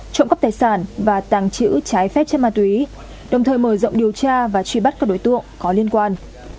trộm cắp tài sản và tàng trữ trái phép chất ma túy đồng thời mở rộng điều tra và truy bắt các đối tượng có liên quan